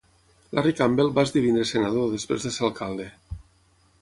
Larry Campbell va esdevenir senador després de ser alcalde.